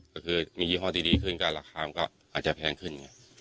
ก็คือมียี่ห้อที่ดีขึ้นก็ราคามันก็อาจจะแพงขึ้นไง